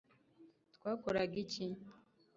twakoraga iki